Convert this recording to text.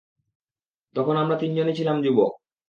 তখন আমরা তিনজনই ছিলাম যুবক।